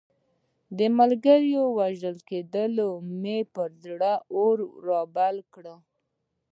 د ملګري وژل کېدو مې پر زړه اور رابل کړ.